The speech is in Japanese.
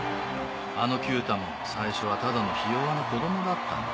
あの九太も最初はただのひ弱な子供だったんだ。